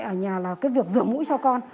ở nhà là cái việc rửa mũi cho con